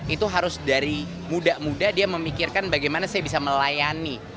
itu harus dari muda muda dia memikirkan bagaimana saya bisa melayani